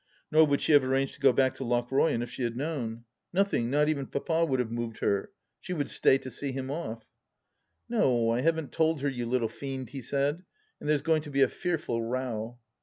Nor would she have arranged to go back to Lochroyan, if she had known. Nothing, not even Papa, would have moved her ; she would stay to see him off. ,.." No, I haven't told her, you little fiend," he said, " and there's going to be a fearful row."